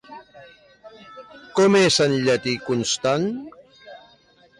Com és en llatí Constant?